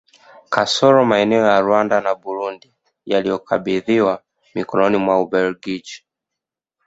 Kasoro maeneo ya Rwanda na Burundi yaliyokabidhiwa mikononi mwa Ubelgiji